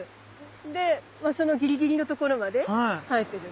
でそのギリギリのところまで生えてる。